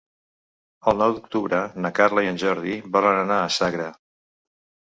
El nou d'octubre na Carla i en Jordi volen anar a Sagra.